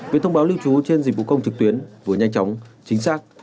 việc thông báo lưu trú trên dịch vụ công trực tuyến vừa nhanh chóng chính xác